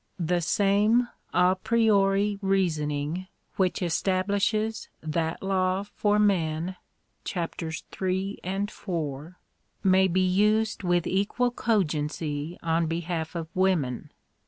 The same a priori reasoning which establishes that law for men (Chaps. III. and IV.), may be used with equal cogency on behalf of women.